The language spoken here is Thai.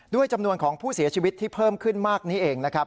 จำนวนของผู้เสียชีวิตที่เพิ่มขึ้นมากนี้เองนะครับ